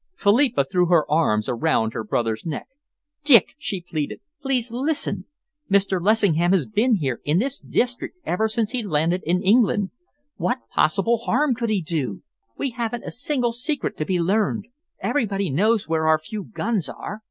Philippa threw her arms around her brother's neck. "Dick," she pleaded, "please listen. Mr. Lessingham has been here, in this district, ever since he landed in England. What possible harm could he do? We haven't a single secret to be learned. Everybody knows where our few guns are.